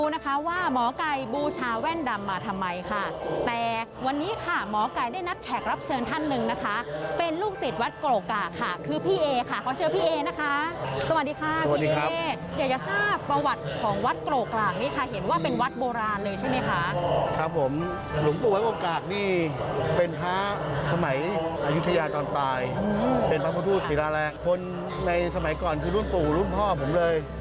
ในสมัยก่อนคือรุ่นปู่และรุ่นพ่อผมเลย